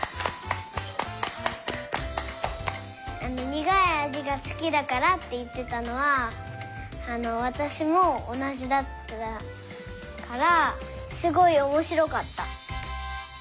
にがいあじがすきだからっていってたのはわたしもおなじだったからすごいおもしろかった。